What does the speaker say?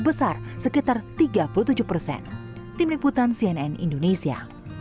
besar sekitar tiga puluh tujuh persen tim liputan cnn indonesia